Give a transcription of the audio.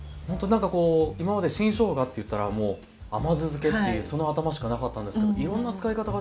今まで新しょうがっていったらもう甘酢漬けっていうその頭しかなかったんですけどいろんな使い方ができるんですね。